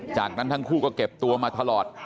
จากนั้นทั้งคู่ก็เก็บตัวมาตลอด